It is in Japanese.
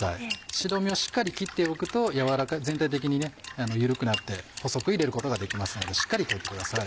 白身をしっかり切っておくと全体的に緩くなって細く入れることができますのでしっかり溶いてください。